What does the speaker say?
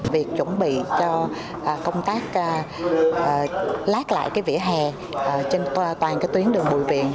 việc chuẩn bị cho công tác lát lại vỉa hè trên toàn tuyến đường bùi viện